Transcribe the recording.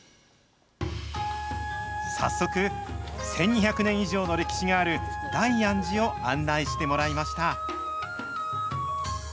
早速、１２００年以上の歴史がある大安寺を案内してもらいました。